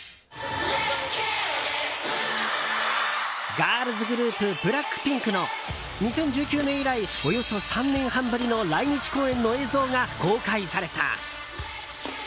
ガールズグループＢＬＡＣＫＰＩＮＫの２０１９年以来およそ３年半ぶりの来日公演の映像が公開された。